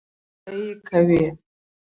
باچا ویل څه یې کوې.